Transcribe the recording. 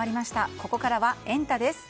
ここからはエンタ！です。